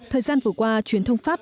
thời gian vừa qua truyền thông pháp